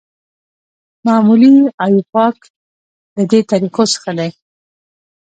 معمولي او ایوپاک له دې طریقو څخه دي.